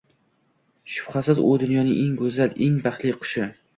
Shubhasiz, u dunyoning eng go‘zal, eng baxtli qushi